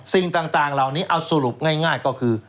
สิ่งต่างเหล่านี้เอาสรุปง่ายก็คือ